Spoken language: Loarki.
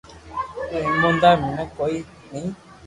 تو ايموندار مينک ڪوئي ني